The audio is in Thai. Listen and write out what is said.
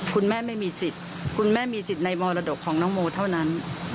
คุณแม่ไม่มีสิทธิ์คุณแม่มีสิทธิ์ในมรดกของน้องโมเท่านั้น